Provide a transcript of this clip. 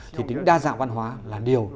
thì tính đa dạng văn hóa là điều